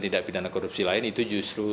tindak pidana korupsi lain itu justru